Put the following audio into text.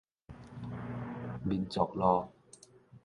民族路